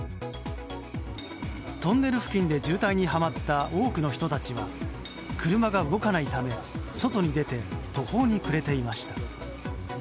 トンネル付近で渋滞にはまった多くの人たちは車が動かないため外に出て途方に暮れていました。